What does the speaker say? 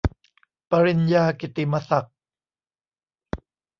ปริญญากิตติมศักดิ์